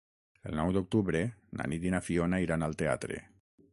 El nou d'octubre na Nit i na Fiona iran al teatre.